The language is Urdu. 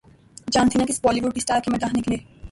جان سینا کس بولی وڈ اسٹار کے مداح نکلے